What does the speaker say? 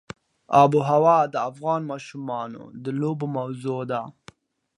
آب وهوا د افغان ماشومانو د لوبو موضوع ده.